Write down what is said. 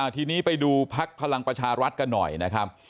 ทีนี้ไปดูพักพลังประชารัฐกันหน่อยนะครับ